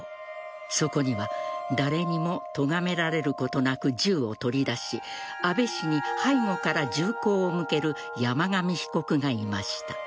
そこには誰にもとがめられることなく銃を取り出し安倍氏に背後から銃口を向ける山上被告がいました。